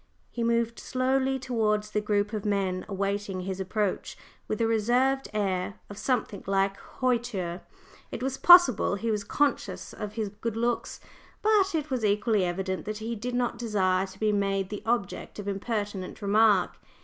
He moved slowly towards the group of men awaiting his approach with a reserved air of something like hauteur; it was possible he was conscious of his good looks, but it was equally evident that he did not desire to be made the object of impertinent remark.